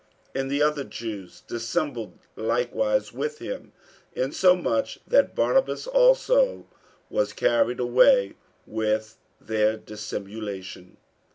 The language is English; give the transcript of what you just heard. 48:002:013 And the other Jews dissembled likewise with him; insomuch that Barnabas also was carried away with their dissimulation.